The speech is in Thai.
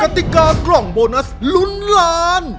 ติกากล่องโบนัสลุ้นล้าน